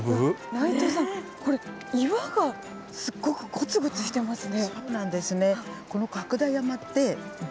内藤さん、これ、岩がすっごくごつごつしてますね。